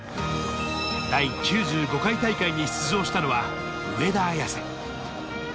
第９５回大会に出場したのは上田綺世。